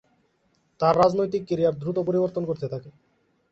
তার রাজনৈতিক ক্যারিয়ার দ্রুত পরিবর্তন করতে থাকে।